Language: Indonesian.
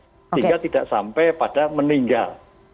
sehingga tidak sampai pada meninggal